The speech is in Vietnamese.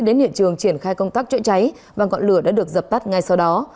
đến hiện trường triển khai công tác chữa cháy và ngọn lửa đã được dập tắt ngay sau đó